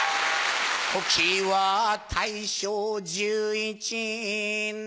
時は大正１１年